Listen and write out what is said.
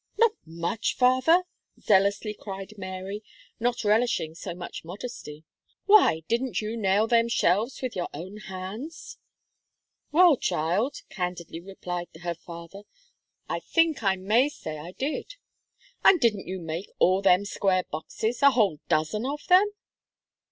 "Not much, father!" zealously cried Mary, not relishing so much modesty, "why, didn't you nail them shelves with your own hands?" "Well, child," candidly replied her father, "I think I may say I did." "And didn't you make all them square boxes, a whole dozen of them?"